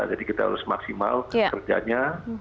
jadi kita harus maksimal kerjanya